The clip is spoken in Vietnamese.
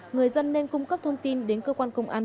người dân nên cung cấp thông tin đến cơ quan công an